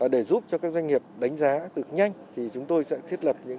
để giúp cho các doanh nghiệp đánh giá tự nhanh